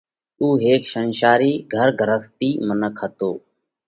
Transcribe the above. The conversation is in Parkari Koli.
اُو هيڪ شينشارِي گھر گھرستِي منک هتو۔